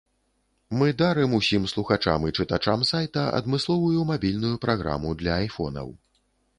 Мы дарым усім слухачам і чытачам сайта адмысловую мабільную праграму для айфонаў.